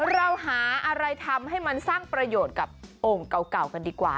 เราหาอะไรทำให้มันสร้างประโยชน์กับโอ่งเก่ากันดีกว่า